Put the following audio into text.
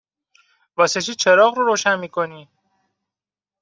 واسه چی چراغ رو روشن می کنی؟